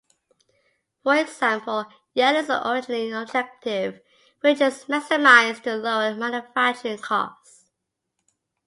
For example, yield is generally an objective, which is maximized to lower manufacturing cost.